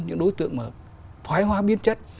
những đối tượng mà thoái hoa biên chất